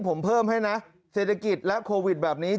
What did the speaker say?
ผมเพิ่มให้นะเศรษฐกิจและโควิดแบบนี้